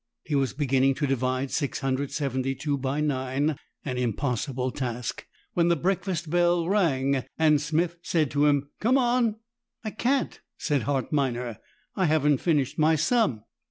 He was beginning to divide 672 by 9, an impossible task, when the breakfast bell rang, and Smith said to him: "Come on!" "I can't," said Hart Minor, "I haven't finished my sum."